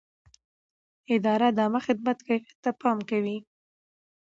اداره د عامه خدمت کیفیت ته پام کوي.